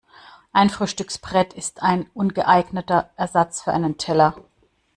Ein Frühstücksbrett ist ein ungeeigneter Ersatz für einen Teller.